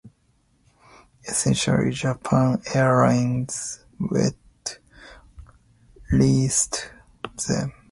Essentially Japan Airlines wet leased them.